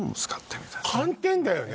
寒天だよね